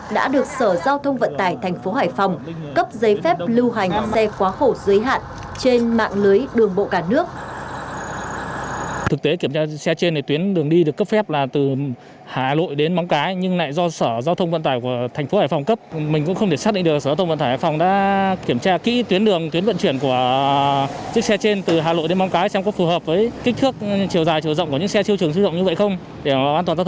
đã được sở giao thông vận tải thành phố hải phòng cấp giấy phép lưu hành xe quá khổ dưới hạn trên mạng lưới đường bộ cả nước